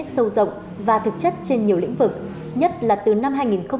sâu rộng và thực chất trên nhiều lĩnh vực nhất là từ năm hai nghìn chín